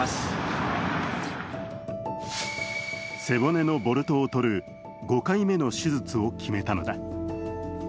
背骨のボルトを取る５回目の手術を決めたのだ。